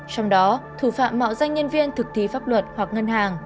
trong đó thủ phạm mạo danh nhân viên thực thi pháp luật hoặc ngân hàng